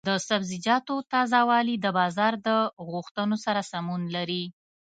د سبزیجاتو تازه والي د بازار د غوښتنو سره سمون لري.